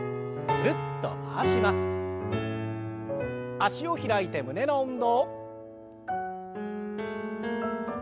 脚を開いて胸の運動。